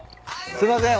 すいません。